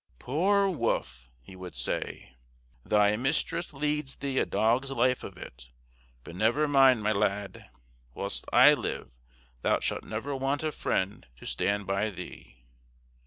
"Poor Wolf," he would say, "thy mistress leads thee a dog's life of it; but never mind, my lad, whilst I live thou shalt never want a friend to stand by thee!"